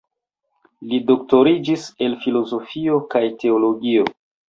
Li doktoriĝis el filozofio kaj teologio.